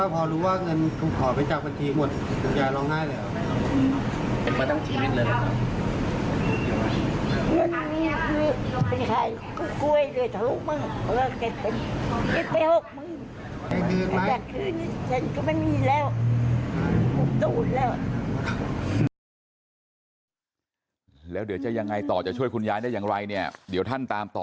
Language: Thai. กล้วยเดี๋ยวถ้าลูกมึงเก็บไป๖๐๐๐๐บาท